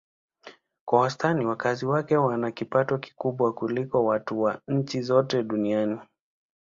Kwa wastani wakazi wake wana kipato kikubwa kuliko watu wa nchi zote duniani.